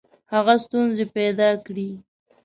هغه ستونزي پیدا کړې.